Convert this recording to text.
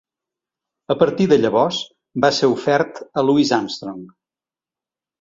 A partir de llavors, va ser ofert a Louis Armstrong.